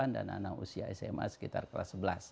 dan anak usia sma sekitar kelas sebelas